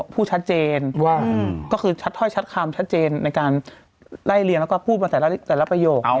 พูดชัดเจนว่าก็คือชัดถ้อยชัดคำชัดเจนในการไล่เลียงแล้วก็พูดมาแต่ละประโยค